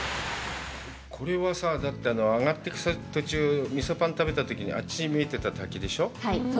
これはさ、上がってく途中、みそぱんを食べてたときに、あっちに見えてた滝でしょう？